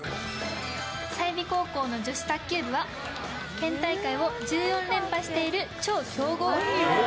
済美高校の女子卓球部は県大会を１４連覇している超強豪。